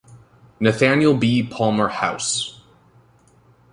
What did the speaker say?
Nathaniel B. Palmer House.